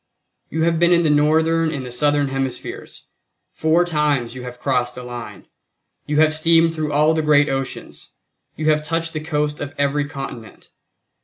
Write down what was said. You have been in the Northern and the Southern Hemispheres; four times you have crossed the line; you have steamed through all the great oceans; you have touched the coast of every continent.